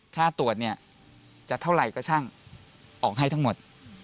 ถ้าตรวจเนี่ยจะเท่าไหร่ก็ช่างออกให้ทั้งหมด